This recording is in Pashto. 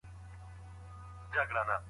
دا سیند تر هغه بل سیند ډېر ژور دی.